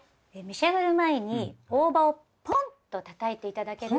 召し上がる前に大葉をポンッとたたいて頂けると。